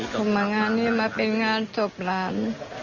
ผมมางานนี้มาเป็นงานศพหลาน